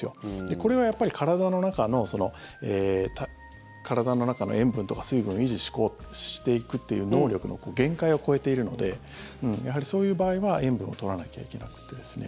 これはやっぱり体の中の塩分とか水分を維持していくっていう能力の限界を超えているのでやはりそういう場合は塩分を取らなきゃいけなくて。